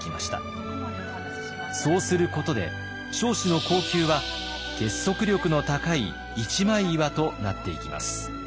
そうすることで彰子の後宮は結束力の高い一枚岩となっていきます。